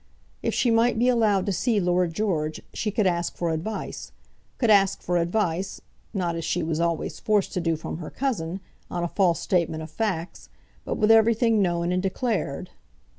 If she might be allowed to see Lord George, she could ask for advice, could ask for advice, not as she was always forced to do from her cousin, on a false statement of facts, but with everything known and declared.